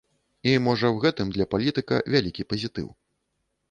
І, можа, у гэтым для палітыка вялікі пазітыў.